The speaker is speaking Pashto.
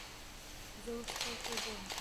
زه اوس کور ته ځمه.